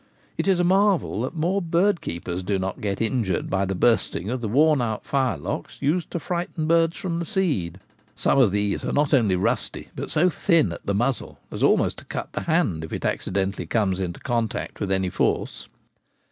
It is a marvel that more bird keepers do not get injured by the bursting of the worn out firelocks used to frighten birds from the seed. Some of these are not only rusty, but so thin at the muzzle as almost to cut the hand if it acci dentally comes into contact with any force.